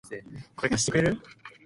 これ、貸してくれる？